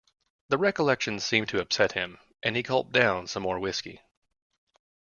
The recollection seemed to upset him, and he gulped down some more whisky.